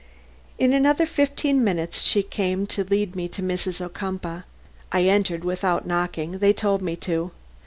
In another fifteen minutes she came to lead me to Mrs. Ocumpaugh. I entered without knocking; they told me to.